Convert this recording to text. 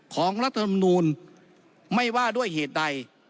รัฐธรรมนูลไม่ว่าด้วยเหตุใด